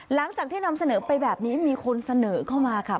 หลังจากที่นำเสนอไปแบบนี้มีคนเสนอเข้ามาค่ะ